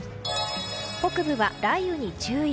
北部は雷雨に注意。